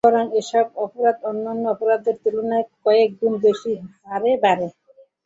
বরং এসব অপরাধ অন্যান্য অপরাধের তুলনায় কয়েক গুণ বেশি হারে বাড়ে।